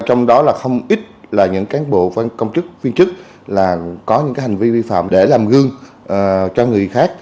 trong đó là không ít là những cán bộ công chức viên chức là có những hành vi vi phạm để làm gương cho người khác